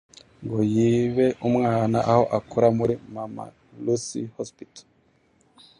ngo yibe umwana aho akora kuri mama lucy hospital